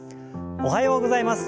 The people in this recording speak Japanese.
おはようございます。